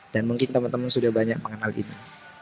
dan mungkin temen temen sudah banyak mengenal ini